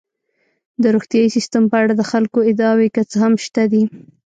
د روغتیايي سیستم په اړه د خلکو ادعاوې که څه هم شته دي.